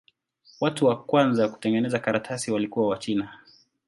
Watu wa kwanza kutengeneza karatasi walikuwa Wachina.